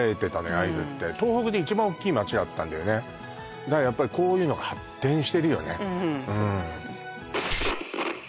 会津って東北で一番大きい街だったんだよねだからやっぱりこういうのが発展してるよね